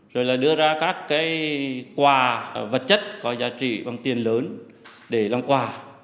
rồi là đưa ra các quà vật chất có giá trị bằng tiền lớn để làm quà